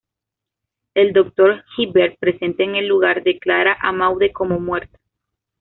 El Dr. Hibbert, presente en el lugar, declara a Maude como muerta.